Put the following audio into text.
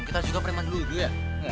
kita juga penyembah dulu ya